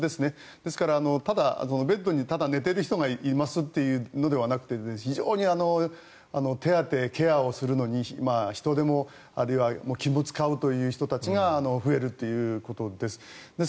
ですから、ただベッドに寝ている人がいますというのではなくて非常に手当て、ケアをするのに人手あるいは気も使うという人たちが増えるということです。